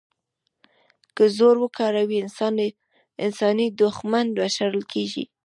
که زور وکاروي، انساني دوښمن به شړل کېږي.